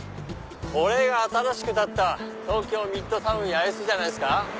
これが新しく立った東京ミッドタウン八重洲じゃないですか。